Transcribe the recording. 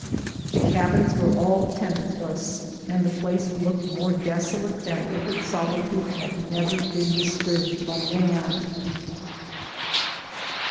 The cabins were all tenantless, and the place looked more desolate than if its solitude had never been dis turbed by man.